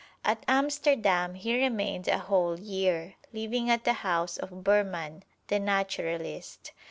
At Amsterdam he remained a whole year, living at the house of Burman, the naturalist.